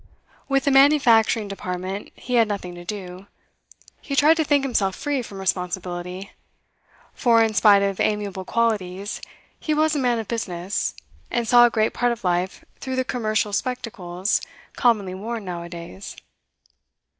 With the manufacturing department he had nothing to do; he tried to think himself free from responsibility; for, in spite of amiable qualities, he was a man of business, and saw a great part of life through the commercial spectacles commonly worn now a days.